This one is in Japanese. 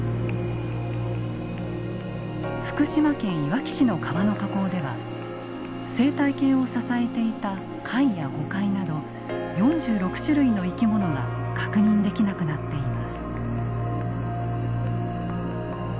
福島県いわき市の川の河口では生態系を支えていた貝やゴカイなど４６種類の生き物が確認できなくなっています。